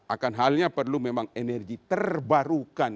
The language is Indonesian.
akan halnya perlu memang energi terbarukan